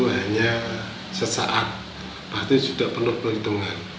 restu hanya sesaat artinya sudah penuh perhitungan